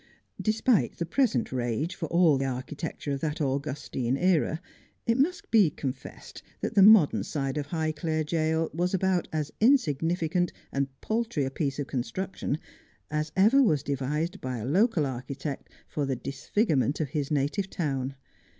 Despite the present rage for all architecture of 48 Just as I Am. that Augustine era, it must be confessed that the modern side of Highclere jail was about as insignificant and paltry a piece of construction as ever was devised by a local architect for the dis figurement of his native town.